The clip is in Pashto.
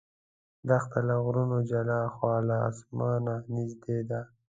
دښته له غرونو جلا خو له اسمانه نږدې ده.